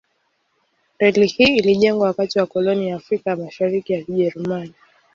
Reli hii ilijengwa wakati wa koloni ya Afrika ya Mashariki ya Kijerumani.